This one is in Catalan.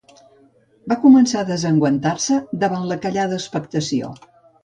Va començar a desenguantar-se davant la callada expectació.